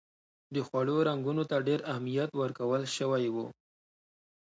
د خوړو رنګونو ته ډېر اهمیت ورکول شوی و.